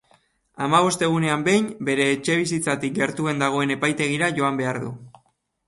Hamabost egunean behin bere etxebizitzatik gertuen dagoen epaitegira joan behar du.